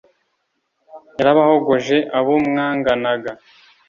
yarabahogoje abo mwanganaga